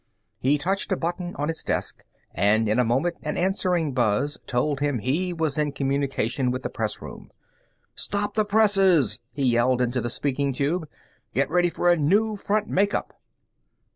He touched a button on his desk and in a moment an answering buzz told him he was in communication with the press room. "Stop the presses!" he yelled into the speaking tube. "Get ready for a new front make up!"